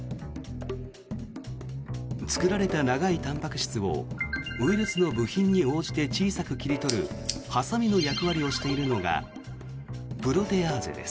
作られた長いたんぱく質をウイルスの部品に応じて小さく切り取るハサミの役割をしているのがプロテアーゼです。